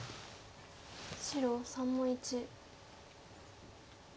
白３の一。